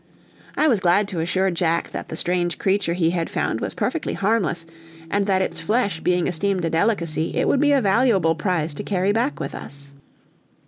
I was glad to assure Jack that the strange creature he had found was perfectly harmless, and that its flesh being esteemed a delicacy, it would be a valuable prize to carry back with us.